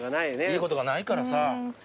いいことがないからさ。